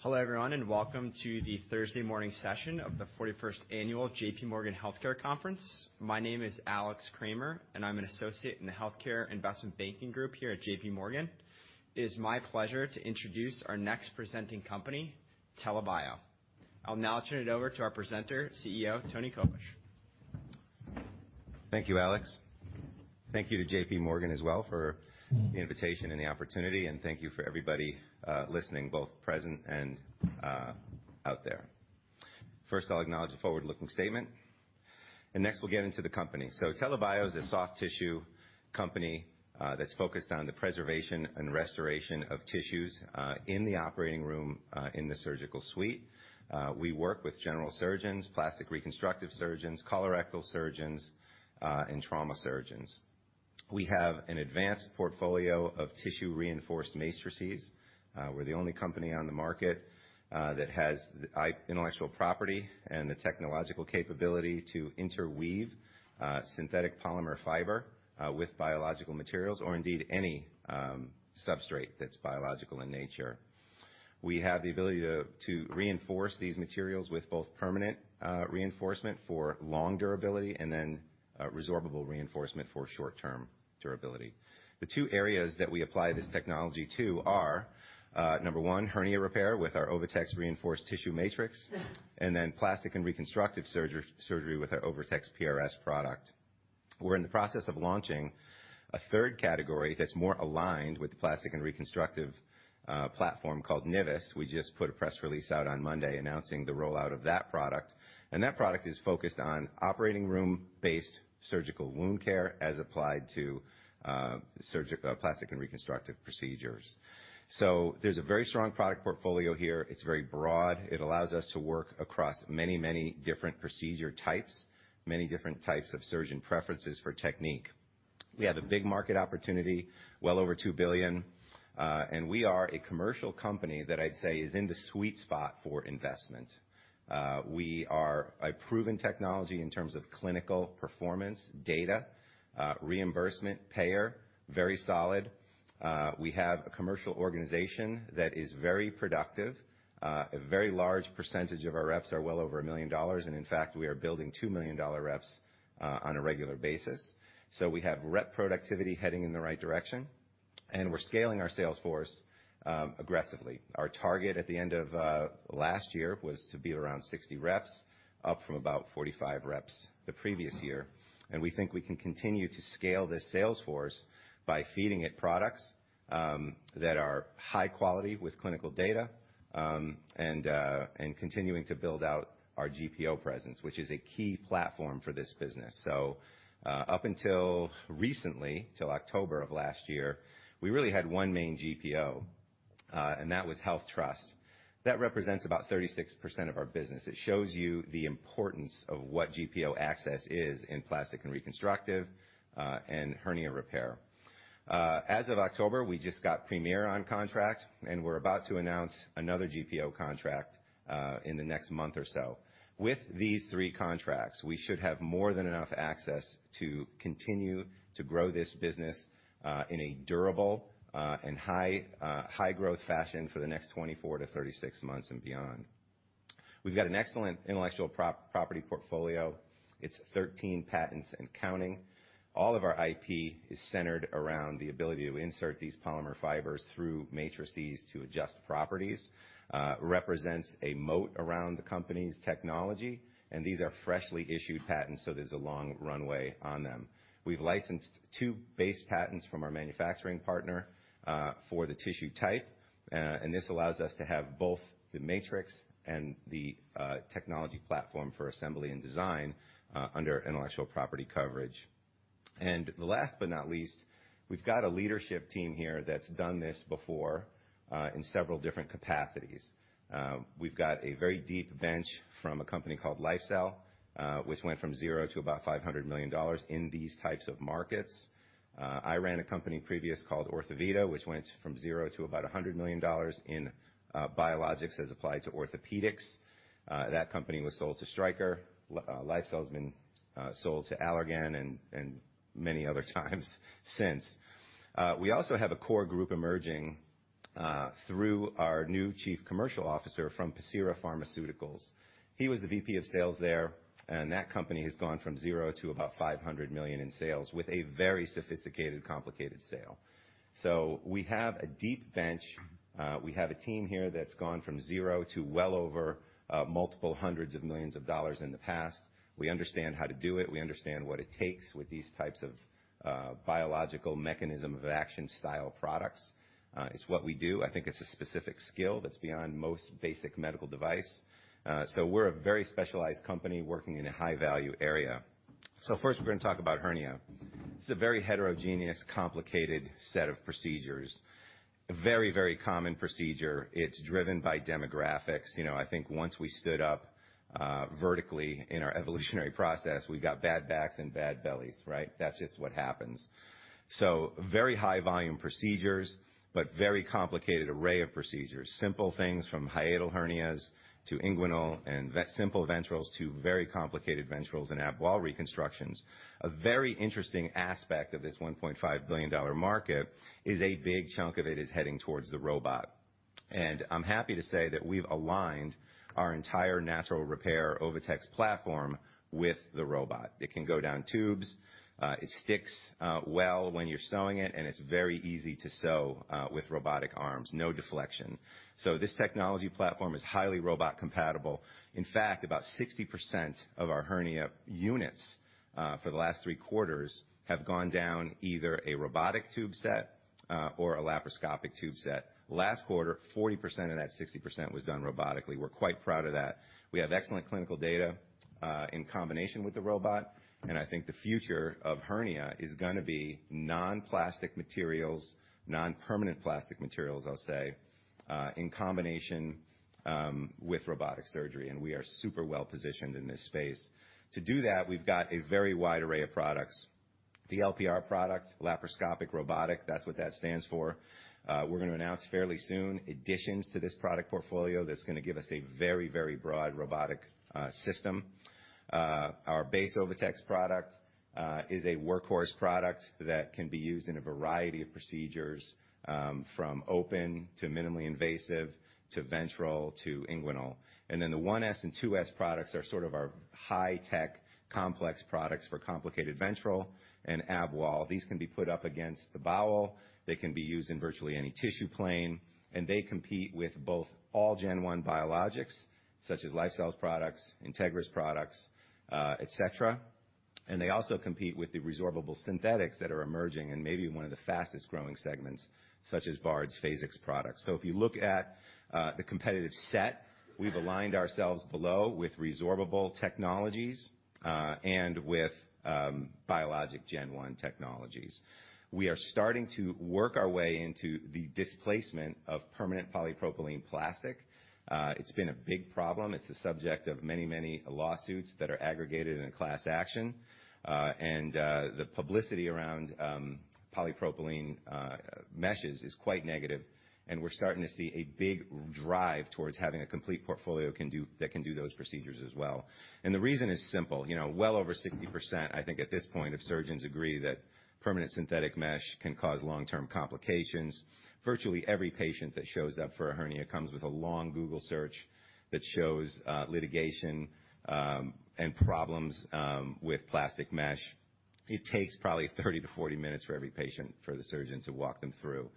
Hello, everyone, welcome to the 41st annual J.P. Morgan Healthcare Conference. My name is Alex Kramer, and I'm an associate in the healthcare investment banking group here at J.P. Morgan. It is my pleasure to introduce our next presenting company, TELA Bio. I'll now turn it over to our presenter, CEO, Tony Koblish. Thank you, Alex. Thank you to J.P. Morgan as well for the invitation and the opportunity, and thank you for everybody listening, both present and out there. First, I'll acknowledge the forward-looking statement, and next, we'll get into the company. TELA Bio is a soft tissue company that's focused on the preservation and restoration of tissues in the operating room in the surgical suite. We work with general surgeons, plastic reconstructive surgeons, colorectal surgeons, and trauma surgeons. We have an advanced portfolio of tissue-reinforced matrices. We're the only company on the market that has the intellectual property and the technological capability to interweave synthetic polymer fiber with biological materials or indeed any substrate that's biological in nature. We have the ability to reinforce these materials with both permanent reinforcement for long durability and then resorbable reinforcement for short-term durability. The two areas that we apply this technology to are number one, hernia repair with our OviTex Reinforced Tissue Matrix, and then plastic and reconstructive surgery with our OviTex PRS product. We're in the process of launching a third category that's more aligned with the plastic and reconstructive platform called NIVIS. We just put a press release out on Monday announcing the rollout of that product, and that product is focused on operating room-based surgical wound care as applied to plastic and reconstructive procedures. There's a very strong product portfolio here. It's very broad. It allows us to work across many different procedure types, many different types of surgeon preferences for technique. We have a big market opportunity, well over $2 billion, we are a commercial company that I'd say is in the sweet spot for investment. We are a proven technology in terms of clinical performance data, reimbursement, payer, very solid. We have a commercial organization that is very productive. A very large percentage of our reps are well over $1 million, and in fact, we are building 2 million-dollar reps on a regular basis. We have rep productivity heading in the right direction, and we're scaling our sales force aggressively. Our target at the end of last year was to be around 60 reps, up from about 45 reps the previous year. We think we can continue to scale this sales force by feeding it products that are high quality with clinical data and continuing to build out our GPO presence, which is a key platform for this business. Up until recently, till October of last year, we really had 1 main GPO, and that was HealthTrust. That represents about 36% of our business. It shows you the importance of what GPO access is in plastic and reconstructive and hernia repair. As of October, we just got Premier on contract, and we're about to announce another GPO contract in the next month or so. With these three contracts, we should have more than enough access to continue to grow this business, in a durable, and high, high growth fashion for the next 24-36 months and beyond. We've got an excellent intellectual property portfolio. It's 13 patents and counting. All of our IP is centered around the ability to insert these polymer fibers through matrices to adjust properties, represents a moat around the company's technology, and these are freshly issued patents, so there's a long runway on them. We've licensed two base patents from our manufacturing partner, for the tissue type, and this allows us to have both the matrix and the technology platform for assembly and design, under intellectual property coverage. The last but not least, we've got a leadership team here that's done this before, in several different capacities. We've got a very deep bench from a company called LifeCell, which went from zero to about $500 million in these types of markets. I ran a company previous called Orthovita, which went from zero to about $100 million in biologics as applied to orthopedics. That company was sold to Stryker. LifeCell's been sold to Allergan and many other times since. We also have a core group emerging through our new chief commercial officer from Pacira Pharmaceuticals. He was the VP of sales there, and that company has gone from 0 to about $500 million in sales with a very sophisticated, complicated sale. We have a deep bench. We have a team here that's gone from 0 to well over multiple hundreds of millions of dollars in the past. We understand how to do it. We understand what it takes with these types of biological mechanism of action style products. It's what we do. I think it's a specific skill that's beyond most basic medical device. We're a very specialized company working in a high-value area. First, we're gonna talk about hernia. It's a very heterogeneous, complicated set of procedures. A very common procedure. It's driven by demographics. You know, I think once we stood up vertically in our evolutionary process, we got bad backs and bad bellies, right? That's just what happens. Very high volume procedures, but very complicated array of procedures. Simple things from hiatal hernias to inguinal and simple ventrals to very complicated ventrals and ab wall reconstructions. A very interesting aspect of this $1.5 billion market is a big chunk of it is heading towards the robot. I'm happy to say that we've aligned our entire natural repair OviTex platform with the robot. It can go down tubes, it sticks well when you're sewing it, and it's very easy to sew with robotic arms, no deflection. This technology platform is highly robot compatible. In fact, about 60% of our hernia units for the last three quarters have gone down either a robotic tube set or a laparoscopic tube set. Last quarter, 40% of that 60% was done robotically. We're quite proud of that. We have excellent clinical data in combination with the robot. I think the future of hernia is gonna be non-plastic materials, non-permanent plastic materials, I'll say, in combination with robotic surgery. We are super well-positioned in this space. To do that, we've got a very wide array of products. The LPR product, laparoscopic robotic, that's what that stands for. We're gonna announce fairly soon additions to this product portfolio that's gonna give us a very, very broad robotic system. Our base OviTex product is a workhorse product that can be used in a variety of procedures, from open to minimally invasive to ventral to inguinal. The 1S and 2S products are sort of our high-tech complex products for complicated ventral and ab wall. These can be put up against the bowel. They can be used in virtually any tissue plane, and they compete with both all gen one biologics, such as LifeCell's products, Integra LifeSciences products, et cetera. They also compete with the resorbable synthetics that are emerging and may be one of the fastest-growing segments, such as Bard's Phasix products. If you look at the competitive set, we've aligned ourselves below with resorbable technologies, and with biologic gen one technologies. We are starting to work our way into the displacement of permanent polypropylene plastic. It's been a big problem. It's the subject of many, many lawsuits that are aggregated in a class action. The publicity around polypropylene meshes is quite negative, and we're starting to see a big drive towards having a complete portfolio that can do those procedures as well. The reason is simple. You know, well over 60%, I think at this point, of surgeons agree that permanent synthetic mesh can cause long-term complications. Virtually every patient that shows up for a hernia comes with a long Google search that shows litigation and problems with plastic mesh. It takes probably 30-40 minutes for every patient for the surgeon to walk them through.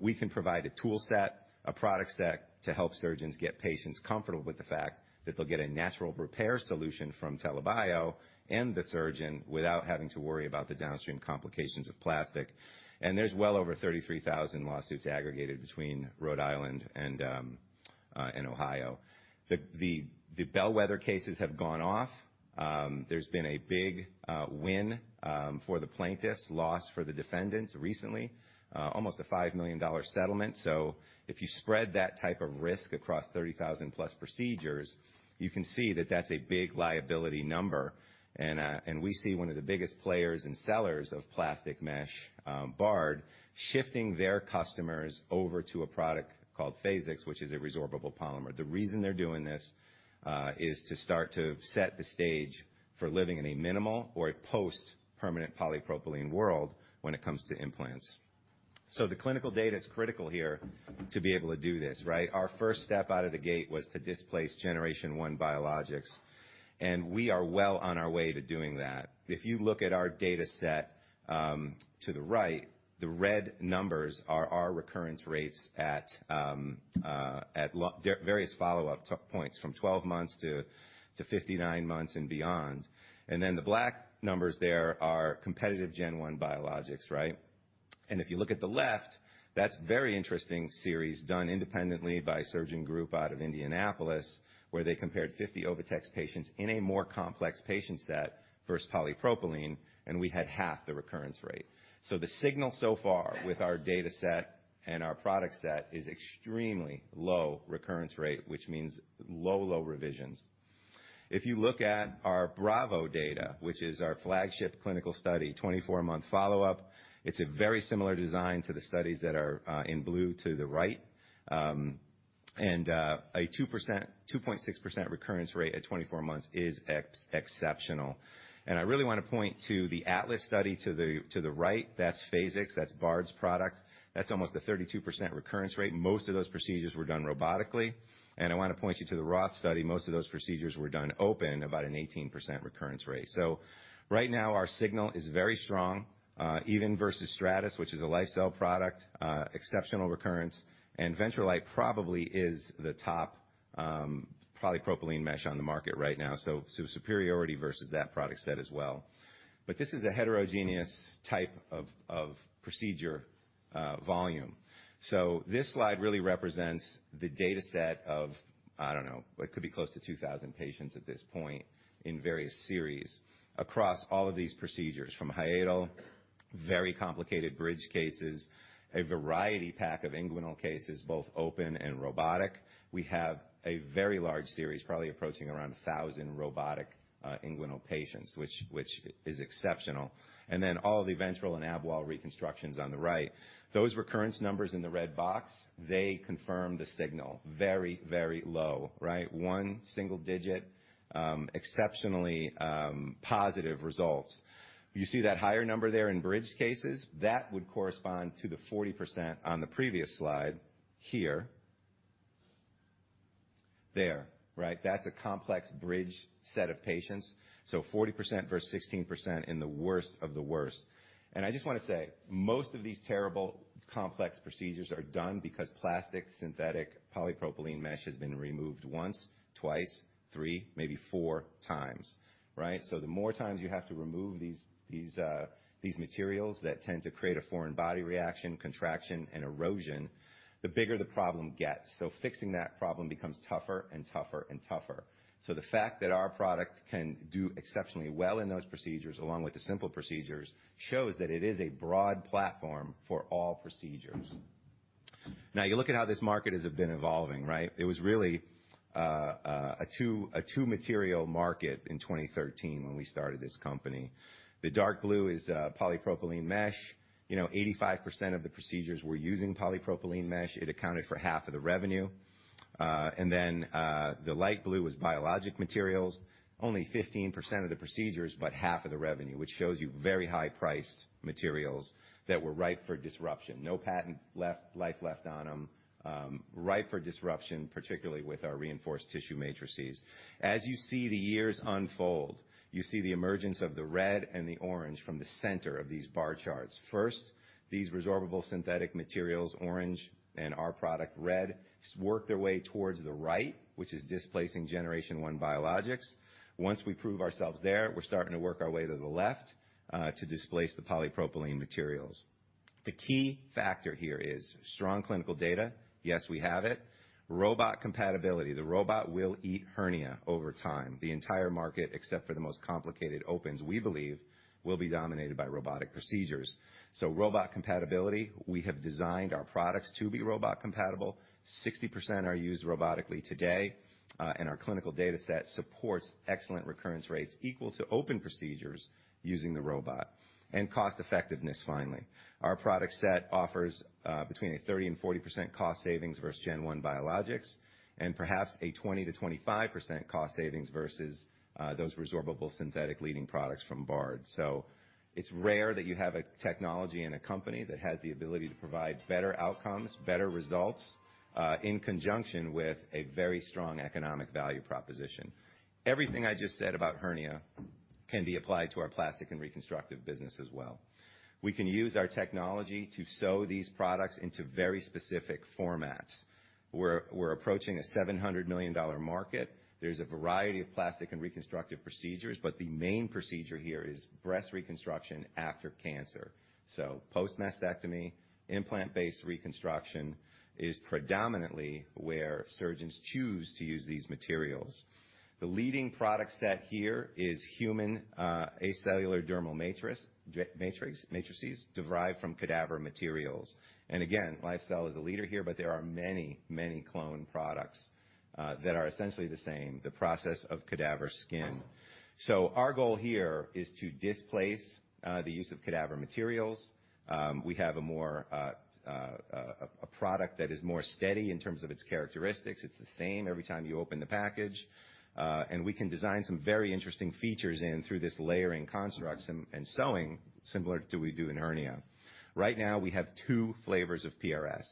We can provide a tool set, a product set to help surgeons get patients comfortable with the fact that they'll get a natural repair solution from TELA Bio and the surgeon without having to worry about the downstream complications of plastic. There's well over 33,000 lawsuits aggregated between Rhode Island and Ohio. The bellwether cases have gone off. There's been a big win for the plaintiffs, loss for the defendants recently, almost a $5 million settlement. If you spread that type of risk across 30,000+ procedures, you can see that that's a big liability number. We see one of the biggest players and sellers of plastic mesh, Bard, shifting their customers over to a product called Phasix, which is a resorbable polymer. The reason they're doing this is to start to set the stage for living in a minimal or a post-permanent polypropylene world when it comes to implants. The clinical data is critical here to be able to do this, right? Our first step out of the gate was to displace generation one biologics, and we are well on our way to doing that. If you look at our data set, to the right, the red numbers are our recurrence rates at various follow-up points from 12 months to 59 months and beyond. The black numbers there are competitive gen one biologics, right? If you look at the left, that's a very interesting series done independently by a surgeon group out of Indianapolis, where they compared 50 OviTex patients in a more complex patient set versus polypropylene, and we had half the recurrence rate. The signal so far with our data set and our product set is extremely low recurrence rate, which means low revisions. If you look at our BRAVO data, which is our flagship clinical study, 24 month follow-up, it's a very similar design to the studies that are in blue to the right. A 2%-2.6% recurrence rate at 24 months is exceptional. I really wanna point to the ATLAS trial to the right. That's Phasix. That's Bard's product. That's almost a 32% recurrence rate. Most of those procedures were done robotically. I wanna point you to the J. Scott Roth study. Most of those procedures were done open, about an 18% recurrence rate. Right now, our signal is very strong, even versus Strattice, which is a LifeCell product, exceptional recurrence. Ventralight probably is the top polypropylene mesh on the market right now. Superiority versus that product set as well. This is a heterogeneous type of procedure volume. This slide really represents the data set of, I don't know, it could be close to 2,000 patients at this point in various series across all of these procedures, from hiatal, very complicated bridge cases. A variety pack of inguinal cases, both open and robotic. We have a very large series, probably approaching around 1,000 robotic, inguinal patients, which is exceptional. All of the ventral and ab wall reconstructions on the right. Those recurrence numbers in the red box, they confirm the signal very, very low, right? 1 single digit, exceptionally positive results. You see that higher number there in bridge cases, that would correspond to the 40% on the previous slide here. There, right? That's a complex bridge set of patients, 40% versus 16% in the worst of the worst. I just want to say, most of these terrible complex procedures are done because plastic, synthetic polypropylene mesh has been removed once, twice, 3, maybe 4 times, right? The more times you have to remove these materials that tend to create a foreign body reaction, contraction, and erosion, the bigger the problem gets. Fixing that problem becomes tougher and tougher and tougher. The fact that our product can do exceptionally well in those procedures, along with the simple procedures, shows that it is a broad platform for all procedures. You look at how this market has been evolving, right? It was really a 2 material market in 2013 when we started this company. The dark blue is polypropylene mesh. You know, 85% of the procedures were using polypropylene mesh. It accounted for half of the revenue. The light blue was biologic materials. Only 15% of the procedures, half of the revenue, which shows you very high price materials that were ripe for disruption. No patent life left on them, ripe for disruption, particularly with our Reinforced Tissue Matrices. As you see the years unfold, you see the emergence of the red and the orange from the center of these bar charts. First, these resorbable synthetic materials, orange, and our product, red, work their way towards the right, which is displacing generation one biologics. Once we prove ourselves there, we're starting to work our way to the left, to displace the polypropylene materials. The key factor here is strong clinical data. Yes, we have it. Robot compatibility. The robot will eat hernia over time. The entire market, except for the most complicated opens, we believe, will be dominated by robotic procedures. Robot compatibility, we have designed our products to be robot compatible. 60% are used robotically today, and our clinical data set supports excellent recurrence rates equal to open procedures using the robot. Cost effectiveness, finally. Our product set offers between a 30%-40% cost savings versus gen 1 biologics, and perhaps a 20%-25% cost savings versus those resorbable synthetic leading products from Bard. It's rare that you have a technology and a company that has the ability to provide better outcomes, better results, in conjunction with a very strong economic value proposition. Everything I just said about hernia can be applied to our plastic and reconstructive business as well. We can use our technology to sew these products into very specific formats. We're approaching a $700 million market. There's a variety of plastic and reconstructive procedures, but the main procedure here is breast reconstruction after cancer. Post-mastectomy, implant-based reconstruction is predominantly where surgeons choose to use these materials. The leading product set here is human acellular dermal matrices derived from cadaver materials. Again, LifeCell is a leader here, but there are many clone products that are essentially the same, the process of cadaver skin. Our goal here is to displace the use of cadaver materials. We have a more a product that is more steady in terms of its characteristics. It's the same every time you open the package. We can design some very interesting features in through this layering constructs and sewing similar to we do in hernia. Right now, we have 2 flavors of PRS.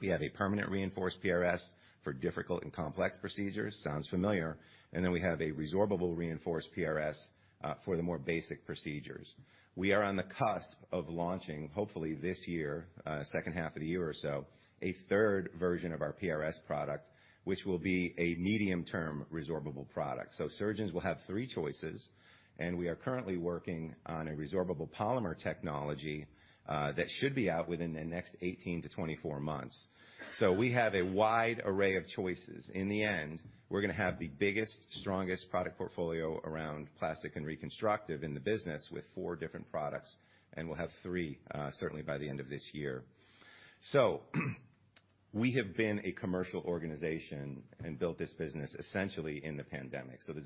We have a permanent reinforced PRS for difficult and complex procedures. Sounds familiar. We have a resorbable reinforced PRS for the more basic procedures. We are on the cusp of launching, hopefully this year, second half of the year or so, a 3rd version of our PRS product, which will be a medium-term resorbable product. Surgeons will have 3 choices, and we are currently working on a resorbable polymer technology that should be out within the next 18-24 months. We have a wide array of choices. In the end, we're gonna have the biggest, strongest product portfolio around plastic and reconstructive in the business with four different products, and we'll have three certainly by the end of this year. There's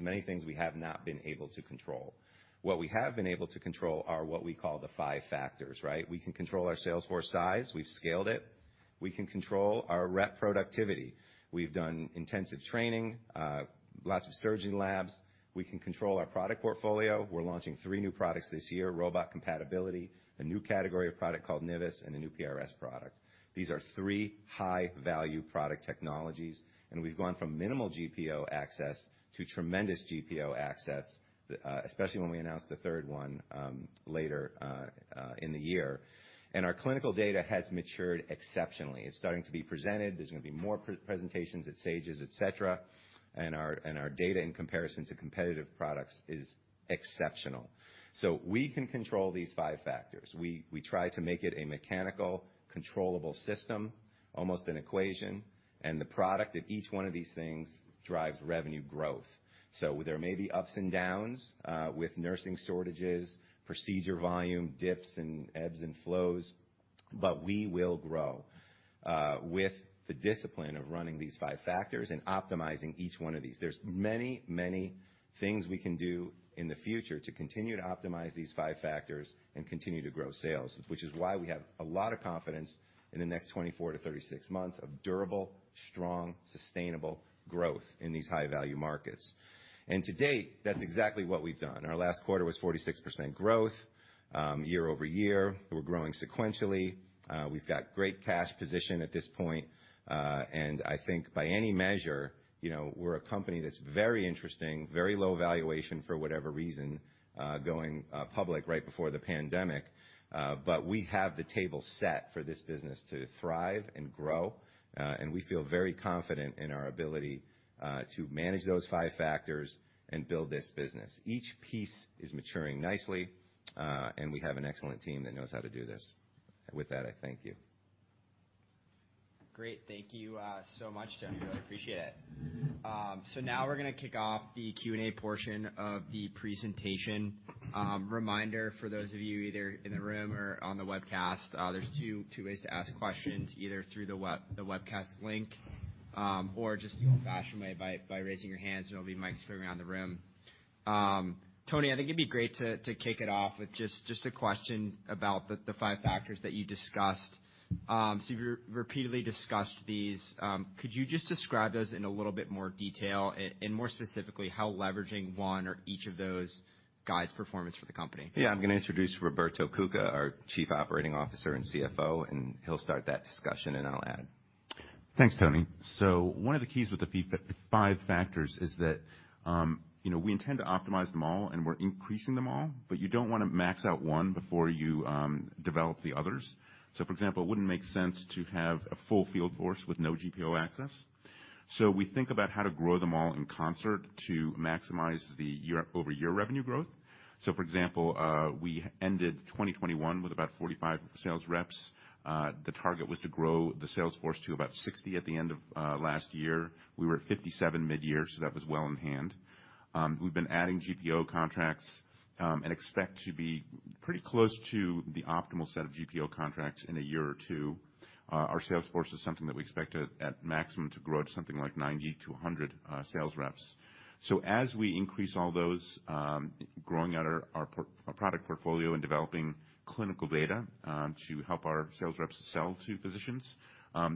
many things we have not been able to control. What we have been able to control are what we call the five factors, right? We can control our sales force size. We've scaled it. We can control our rep productivity. We've done intensive training, lots of surgeon labs. We can control our product portfolio. We're launching 3 new products this year, robot compatibility, a new category of product called NIVIS, and a new PRS product. These are three high-value product technologies, we've gone from minimal GPO access to tremendous GPO access, especially when we announce the third one later in the year. Our clinical data has matured exceptionally. It's starting to be presented. There's gonna be more pre-presentations at SAGES, et cetera. Our data in comparison to competitive products is exceptional. We can control these five factors. We try to make it a mechanical, controllable system, almost an equation, and the product of each one of these things drives revenue growth. There may be ups and downs with nursing shortages, procedure volume dips and ebbs and flows, but we will grow. With the discipline of running these five factors and optimizing each one of these. There's many, many things we can do in the future to continue to optimize these five factors and continue to grow sales, which is why we have a lot of confidence in the next 24 to 36 months of durable, strong, sustainable growth in these high-value markets. To date, that's exactly what we've done. Our last quarter was 46% growth year-over-year. We're growing sequentially. We've got great cash position at this point. I think by any measure, you know, we're a company that's very interesting, very low valuation for whatever reason, going public right before the pandemic. We have the table set for this business to thrive and grow, and we feel very confident in our ability to manage those five factors and build this business. Each piece is maturing nicely, and we have an excellent team that knows how to do this. With that, I thank you. Great. Thank you, so much, Tony. I appreciate it. Now we're gonna kick off the Q&A portion of the presentation. Reminder for those of you either in the room or on the webcast, there's two ways to ask questions, either through the web, the webcast link, or just the old-fashioned way by raising your hands and there'll be mics for you around the room. Tony, I think it'd be great to kick it off with just a question about the five factors that you discussed. You repeatedly discussed these. Could you just describe those in a little bit more detail and more specifically, how leveraging one or each of those guides performance for the company? I'm gonna introduce Roberto Cuca, our Chief Operating Officer and CFO, and he'll start that discussion, and then I'll add. Thanks, Tony. One of the keys with the five factors is that, you know, we intend to optimize them all, and we're increasing them all, but you don't wanna max out one before you develop the others. For example, it wouldn't make sense to have a full field force with no GPO access. We think about how to grow them all in concert to maximize the year-over-year revenue growth. For example, we ended 2021 with about 45 sales reps. The target was to grow the sales force to about 60 at the end of last year. We were at 57 mid-year, so that was well in hand. We've been adding GPO contracts, and expect to be pretty close to the optimal set of GPO contracts in a year or two. Our sales force is something that we expect to, at maximum, to grow to something like 90 to 100 sales reps. As we increase all those, growing out our product portfolio and developing clinical data, to help our sales reps sell to physicians,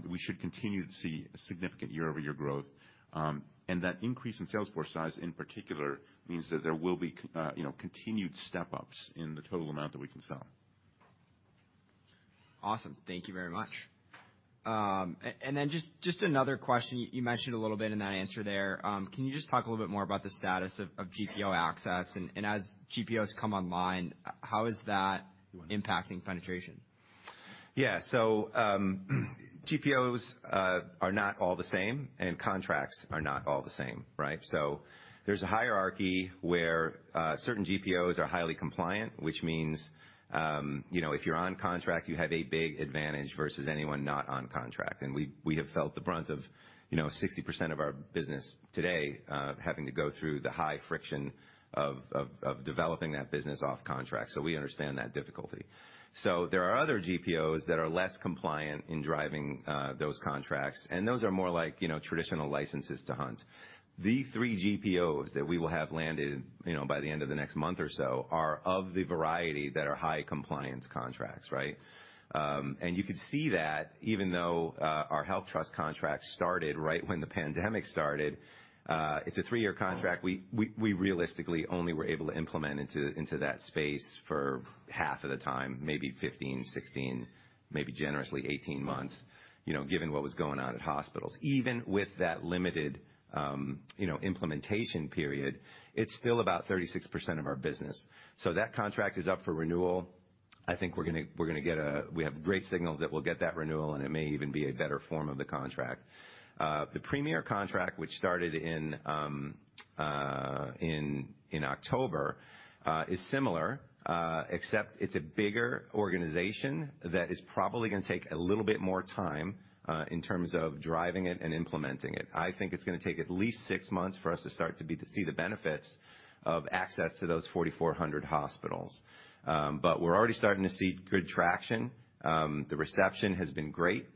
we should continue to see a significant year-over-year growth. That increase in sales force size in particular means that there will be, you know, continued step-ups in the total amount that we can sell. Awesome. Thank you very much. Just another question. You mentioned a little bit in that answer there. Can you just talk a little bit more about the status of GPO access? As GPOs come online, how is that impacting penetration? Yeah. GPOs are not all the same, and contracts are not all the same, right? There's a hierarchy where certain GPOs are highly compliant, which means, you know, if you're on contract, you have a big advantage versus anyone not on contract. We have felt the brunt of, you know, 60% of our business today, having to go through the high friction of developing that business off contract, so we understand that difficulty. There are other GPOs that are less compliant in driving those contracts, and those are more like, you know, traditional licenses to hunt. The 3 GPOs that we will have landed, you know, by the end of the next month or so are of the variety that are high compliance contracts, right? You could see that even though our HealthTrust contract started right when the pandemic started, it's a three-year contract. We realistically only were able to implement into that space for half of the time, maybe 15, 16, maybe generously 18 months, you know, given what was going on at hospitals. Even with that limited, you know, implementation period, it's still about 36% of our business. That contract is up for renewal. I think we have great signals that we'll get that renewal, and it may even be a better form of the contract. The Premier contract, which started in October, is similar, except it's a bigger organization that is probably gonna take a little bit more time in terms of driving it and implementing it. I think it's gonna take at least six months for us to see the benefits of access to those 4,400 hospitals. We're already starting to see good traction. The reception has been great.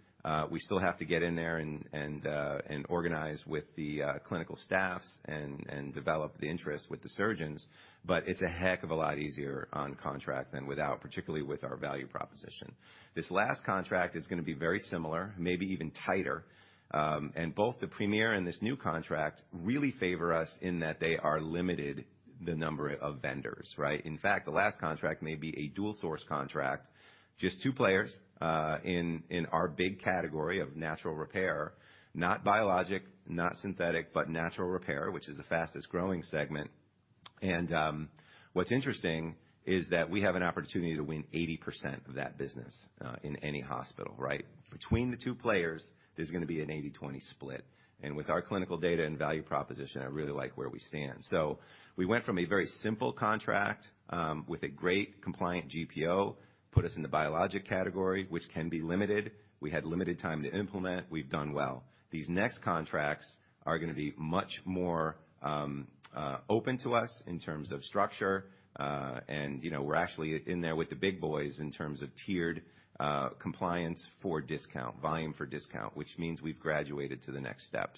We still have to get in there and organize with the clinical staffs and develop the interest with the surgeons, but it's a heck of a lot easier on contract than without, particularly with our value proposition. This last contract is gonna be very similar, maybe even tighter. Both the Premier and this new contract really favor us in that they are limited the number of vendors, right? In fact, the last contract may be a dual source contract, just two players, in our big category of natural repair, not biologic, not synthetic, but natural repair, which is the fastest-growing segment. What's interesting is that we have an opportunity to win 80% of that business, in any hospital, right? Between the two players, there's gonna be an 80-20 split. With our clinical data and value proposition, I really like where we stand. We went from a very simple contract, with a great compliant GPO, put us in the biologic category, which can be limited. We had limited time to implement. We've done well. These next contracts are gonna be much more open to us in terms of structure. You know, we're actually in there with the big boys in terms of tiered compliance for discount, volume for discount, which means we've graduated to the next step.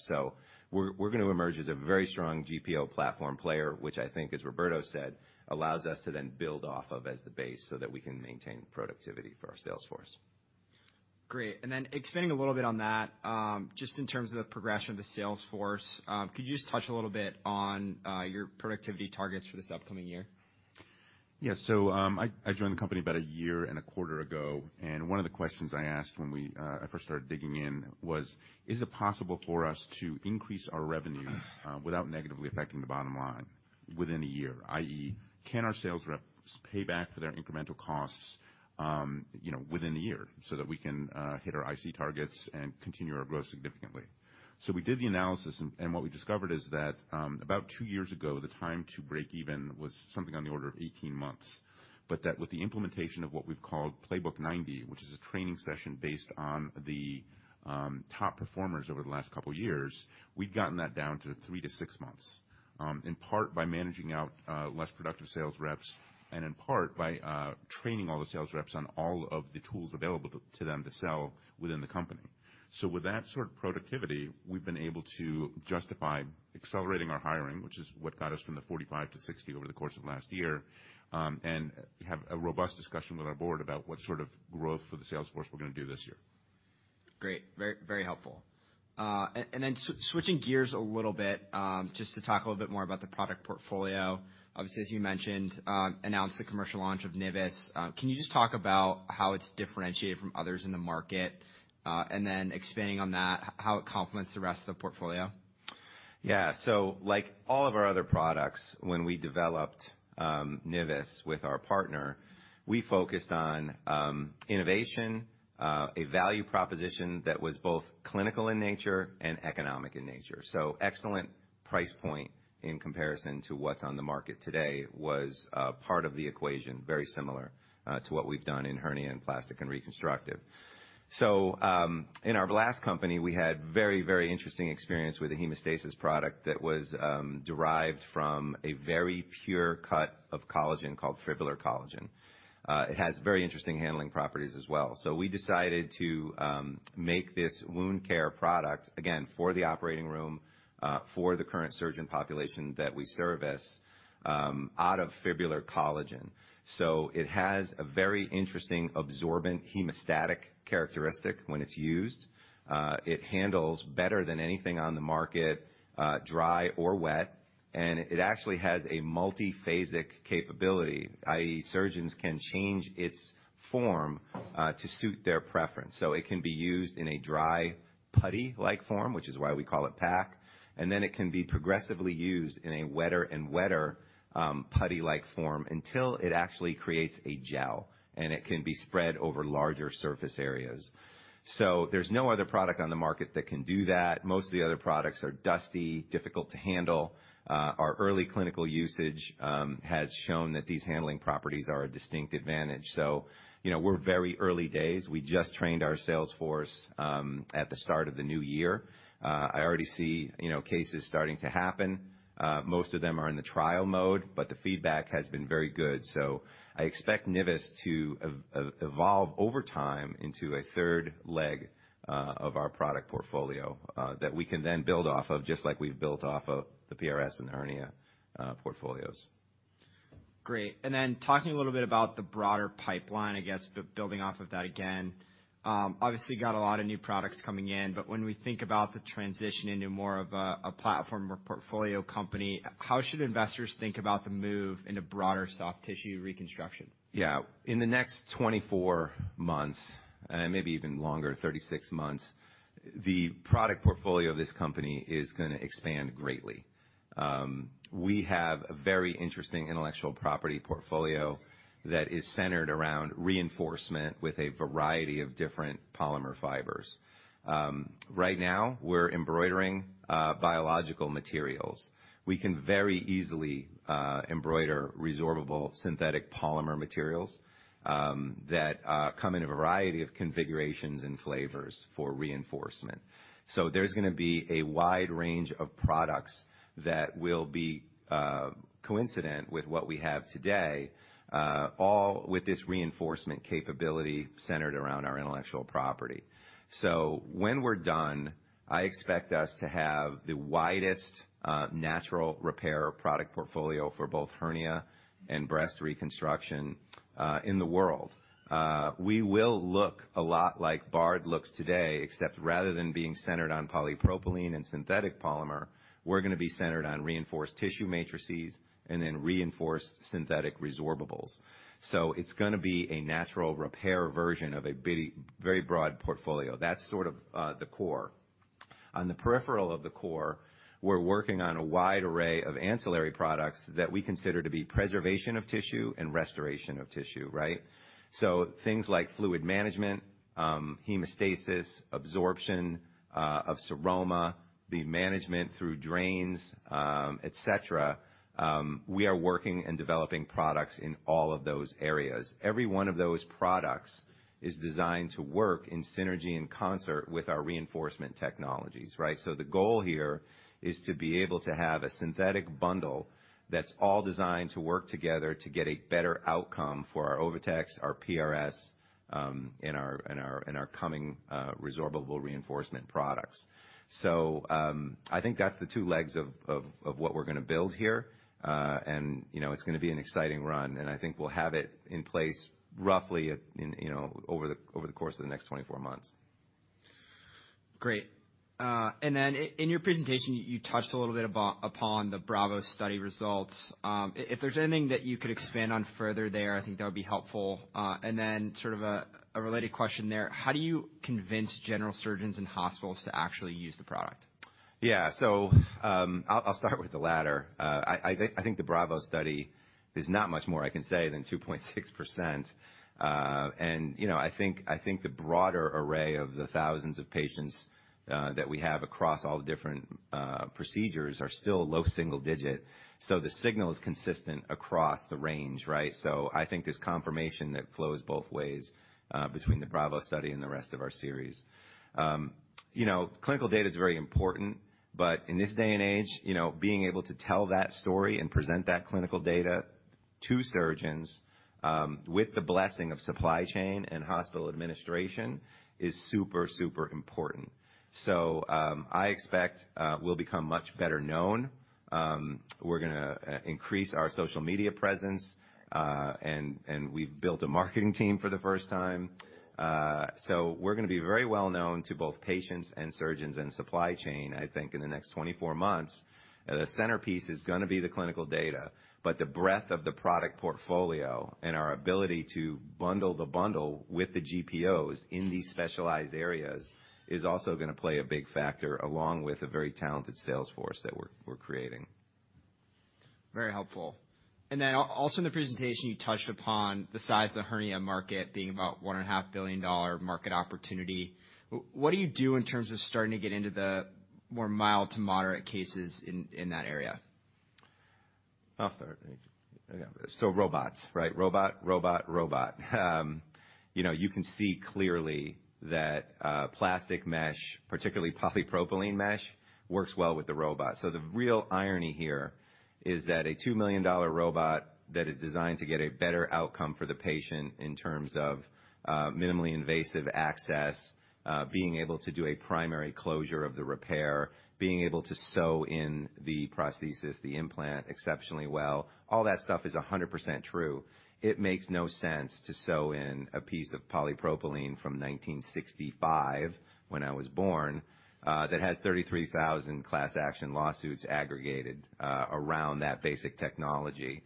We're gonna emerge as a very strong GPO platform player, which I think, as Roberto said, allows us to then build off of as the base so that we can maintain productivity for our sales force. Great. Expanding a little bit on that, just in terms of the progression of the sales force, could you just touch a little bit on your productivity targets for this upcoming year? I joined the company about a year and a quarter ago, and one of the questions I asked when I first started digging in was, is it possible for us to increase our revenues without negatively affecting the bottom line within a year, i.e., can our sales reps pay back for their incremental costs, you know, within a year so that we can hit our IC targets and continue our growth significantly? We did the analysis and what we discovered is that about two years ago, the time to break even was something on the order of 18 months, but that with the implementation of what we've called Playbook Ninety, which is a training session based on the top performers over the last couple years, we've gotten that down to three to six months, in part by managing out less productive sales reps and in part by training all the sales reps on all of the tools available to them to sell within the company. With that sort of productivity, we've been able to justify accelerating our hiring, which is what got us from the 45-60 over the course of last year, and have a robust discussion with our board about what sort of growth for the sales force we're gonna do this year. Great. Very helpful. Switching gears a little bit, just to talk a little bit more about the product portfolio. Obviously, as you mentioned, announced the commercial launch of NIVIS. Can you just talk about how it's differentiated from others in the market, and then expanding on that, how it complements the rest of the portfolio? Yeah. Like all of our other products, when we developed NIVIS with our partner, we focused on innovation, a value proposition that was both clinical in nature and economic in nature. Excellent price point in comparison to what's on the market today was part of the equation, very similar to what we've done in hernia and plastic and reconstructive. In our last company, we had very interesting experience with a hemostasis product that was derived from a very pure cut of collagen called fibrillar collagen. It has very interesting handling properties as well. We decided to make this wound care product, again, for the operating room, for the current surgeon population that we service, out of fibrillar collagen. It has a very interesting absorbent hemostatic characteristic when it's used. It handles better than anything on the market, dry or wet, and it actually has a multiphasic capability, i.e., surgeons can change its form to suit their preference. It can be used in a dry putty-like form, which is why we call it PAC. It can be progressively used in a wetter and wetter, putty-like form until it actually creates a gel, and it can be spread over larger surface areas. There's no other product on the market that can do that. Most of the other products are dusty, difficult to handle. Our early clinical usage has shown that these handling properties are a distinct advantage. You know, we're very early days. We just trained our sales force at the start of the new year. I already see, you know, cases starting to happen. Most of them are in the trial mode, but the feedback has been very good. I expect NIVIS to evolve over time into a third leg of our product portfolio that we can then build off of just like we've built off of the PRS and hernia portfolios. Great. Then talking a little bit about the broader pipeline, I guess building off of that again, obviously you got a lot of new products coming in, but when we think about the transition into more of a platform or portfolio company, how should investors think about the move in a broader soft-tissue reconstruction? Yeah. In the next 24 months, maybe even longer, 36 months, the product portfolio of this company is gonna expand greatly. We have a very interesting intellectual property portfolio that is centered around reinforcement with a variety of different polymer fibers. Right now, we're embroidering biological materials. We can very easily embroider resorbable synthetic polymer materials that come in a variety of configurations and flavors for reinforcement. There's gonna be a wide range of products that will be coincident with what we have today, all with this reinforcement capability centered around our intellectual property. When we're done, I expect us to have the widest natural repair product portfolio for both hernia and breast reconstruction in the world. We will look a lot like Bard looks today, except rather than being centered on polypropylene and synthetic polymer, we're gonna be centered on Reinforced Tissue Matrices and then reinforced synthetic resorbables. It's gonna be a natural repair version of a very broad portfolio. That's sort of the core. On the peripheral of the core, we're working on a wide array of ancillary products that we consider to be preservation of tissue and restoration of tissue, right? Things like fluid management, hemostasis, absorption of seroma, the management through drains, et cetera, we are working and developing products in all of those areas. Every one of those products is designed to work in synergy and concert with our reinforcement technologies, right? The goal here is to be able to have a synthetic bundle that's all designed to work together to get a better outcome for our OviTex, our PRS, and our coming resorbable reinforcement products. I think that's the two legs of what we're gonna build here. And, you know, it's gonna be an exciting run, and I think we'll have it in place roughly, you know, over the course of the next 24 months. Great. In your presentation, you touched a little bit upon the BRAVO study results. If there's anything that you could expand on further there, I think that would be helpful. Sort of a related question there: How do you convince general surgeons and hospitals to actually use the product? Yeah. I'll start with the latter. I think the BRAVO study, there's not much more I can say than 2.6%. You know, I think the broader array of the thousands of patients that we have across all the different procedures are still low single digit. The signal is consistent across the range, right? I think there's confirmation that flows both ways between the BRAVO study and the rest of our series. You know, clinical data is very important, but in this day and age, you know, being able to tell that story and present that clinical data to surgeons with the blessing of supply chain and hospital administration is super important. I expect we'll become much better known. We're gonna increase our social media presence, and we've built a marketing team for the first time. We're gonna be very well-known to both patients and surgeons in supply chain, I think, in the next 24 months. The centerpiece is gonna be the clinical data, but the breadth of the product portfolio and our ability to bundle the bundle with the GPOs in these specialized areas is also gonna play a big factor, along with a very talented sales force that we're creating. Very helpful. Then also in the presentation, you touched upon the size of the hernia market being about one and a half billion dollar market opportunity. What do you do in terms of starting to get into the more mild to moderate cases in that area? I'll start. Robots, right? Robot, robot. You know, you can see clearly that plastic mesh, particularly polypropylene mesh, works well with the robot. The real irony here is that a $2 million robot that is designed to get a better outcome for the patient in terms of minimally invasive access, being able to do a primary closure of the repair, being able to sew in the prosthesis, the implant exceptionally well, all that stuff is 100% true. It makes no sense to sew in a piece of polypropylene from 1965, when I was born, that has 33,000 class action lawsuits aggregated around that basic technology.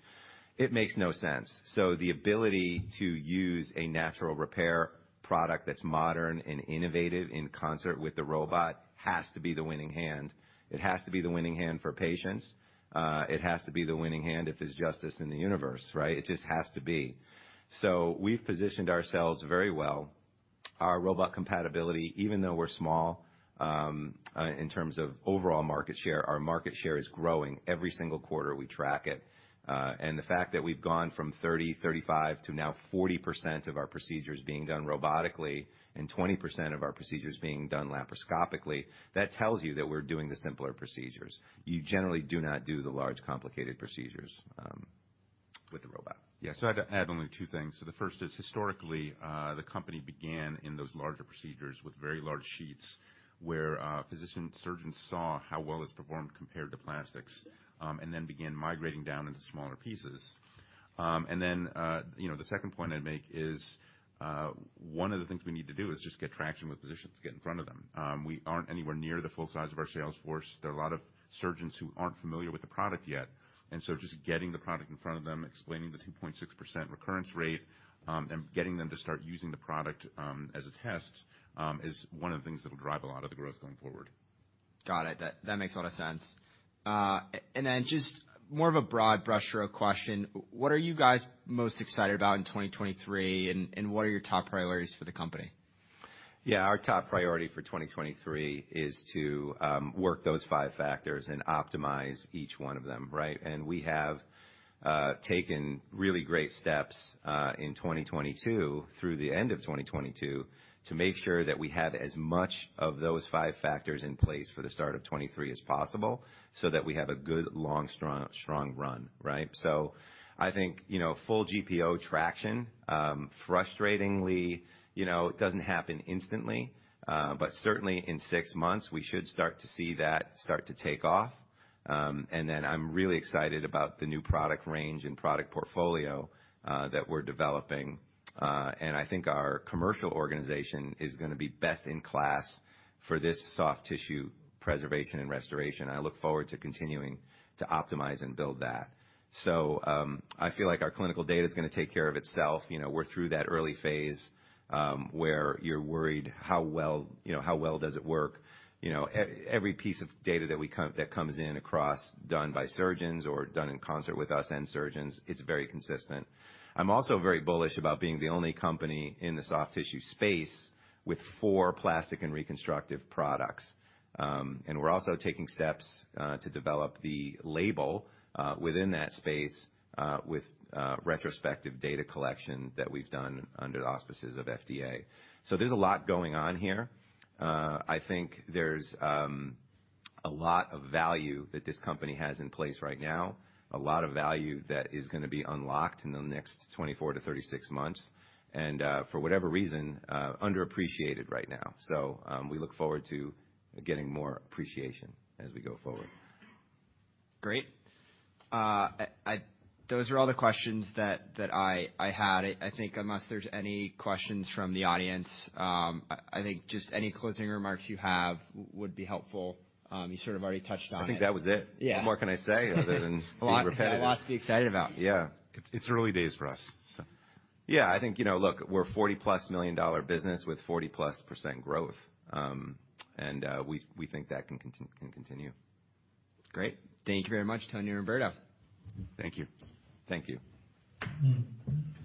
It makes no sense. The ability to use a natural repair product that's modern and innovative in concert with the robot has to be the winning hand. It has to be the winning hand for patients. It has to be the winning hand if there's justice in the universe, right? It just has to be. We've positioned ourselves very well. Our robot compatibility, even though we're small, in terms of overall market share, our market share is growing every single quarter we track it. The fact that we've gone from 30, 35 to now 40% of our procedures being done robotically and 20% of our procedures being done laparoscopically, that tells you that we're doing the simpler procedures. You generally do not do the large complicated procedures with the robot. I'd add only two things. The first is, historically, the company began in those larger procedures with very large sheets where physician surgeons saw how well it's performed compared to plastics, and then began migrating down into smaller pieces. You know, the second point I'd make is one of the things we need to do is just get traction with physicians, get in front of them. We aren't anywhere near the full size of our sales force. There are a lot of surgeons who aren't familiar with the product yet. Just getting the product in front of them, explaining the 2.6% recurrence rate, and getting them to start using the product as a test, is one of the things that will drive a lot of the growth going forward. Got it. That makes a lot of sense. Then just more of a broad brush stroke question? What are you guys most excited about in 2023, and what are your top priorities for the company? Our top priority for 2023 is to work those five factors and optimize each one of them, right? We have taken really great steps in 2022 through the end of 2022 to make sure that we have as much of those five factors in place for the start of 2023 as possible so that we have a good long strong run, right? I think, you know, full GPO traction, frustratingly, you know, it doesn't happen instantly, but certainly in 6 months, we should start to see that start to take off. I'm really excited about the new product range and product portfolio that we're developing. I think our commercial organization is gonna be best in class for this soft tissue preservation and restoration. I look forward to continuing to optimize and build that. I feel like our clinical data is gonna take care of itself. You know, we're through that early phase, where you're worried how well, you know, how well does it work. You know, every piece of data that comes in across, done by surgeons or done in concert with us and surgeons, it's very consistent. I'm also very bullish about being the only company in the soft-tissue space with four plastic and reconstructive products. We're also taking steps to develop the label within that space with retrospective data collection that we've done under the auspices of FDA. There's a lot going on here. I think there's, a lot of value that this company has in place right now, a lot of value that is gonna be unlocked in the next 24 to 36 months, and, for whatever reason, underappreciated right now. We look forward to getting more appreciation as we go forward. Great. Those are all the questions that I had. I think unless there's any questions from the audience, I think just any closing remarks you have would be helpful. You sort of already touched on it. I think that was it. Yeah. What more can I say other than being repetitive? A lot to be excited about. Yeah. It's early days for us, so. I think, you know, look, we're a $40+ million business with 40+% growth. We think that can continue. Great. Thank you very much, Tony and Roberto. Thank you. Thank you. Mm-hmm.